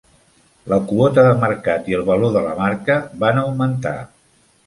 La quota de mercat i el valor de la marca van augmentar.